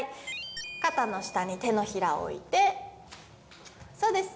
肩の下に手のひらを置いてそうです